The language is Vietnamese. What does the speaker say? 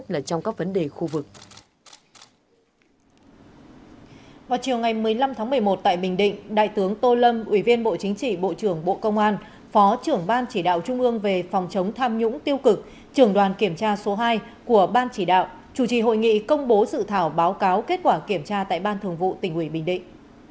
vào chiều ngày một mươi năm tháng một mươi một tại bình định đại tướng tô lâm ủy viên bộ chính trị bộ trưởng bộ công an phó trưởng ban chỉ đạo trung ương về phòng chống tham nhũng tiêu cực trưởng đoàn kiểm tra số hai của ban chỉ đạo chủ trì hội nghị công bố dự thảo báo cáo kết quả kiểm tra tại ban thường vụ tỉnh ủy bình định